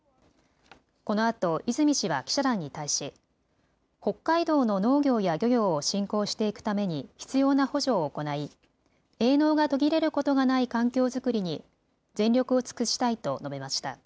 このあと泉氏は記者団に対し北海道の農業や漁業を振興していくために必要な補助を行い営農が途切れることがない環境作りに全力を尽くしたいと述べました。